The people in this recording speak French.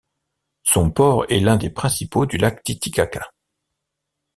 Son port est l'un des principaux du lac Titicaca.